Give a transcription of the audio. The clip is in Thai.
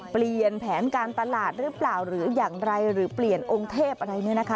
เปลี่ยนแผนการตลาดหรือเปล่าหรืออย่างไรหรือเปลี่ยนองค์เทพอะไรเนี่ยนะคะ